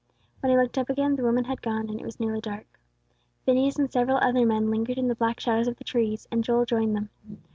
When he looked up again, the women had gone, and it was nearly dark. Phineas and several other men lingered in the black shadows of the trees, and Joel joined them.